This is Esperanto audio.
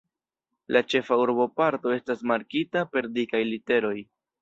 La ĉefa urboparto estas markita per dikaj literoj.